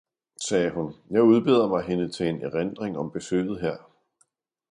« sagde hun, »jeg udbeder mig hende til en Erindring om Besøget her!